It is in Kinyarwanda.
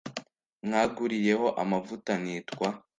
mwaguriyeho amavuta nitwa